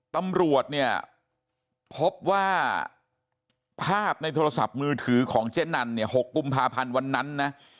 ตำรวจเนี่ยพบว่าภาพในโทรศัพท์มือถือของเจ๊นันเนี่ย๖กุมภาพันธ์วันนั้นนะ